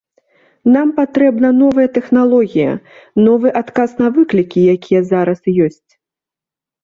Нам патрэбна новая тэхналогія, новы адказ на выклікі, якія зараз ёсць.